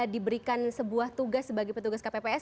diberikan sebuah tugas sebagai petugas kpps